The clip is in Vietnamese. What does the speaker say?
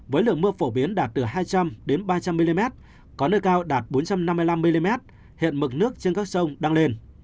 với lượng mưa phổ biến đạt từ hai trăm linh ba trăm linh mm có nơi cao đạt bốn trăm năm mươi năm mm hiện mực nước trên các sông đang lên